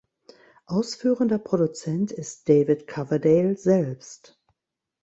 Ausführender Produzent ist David Coverdale selbst.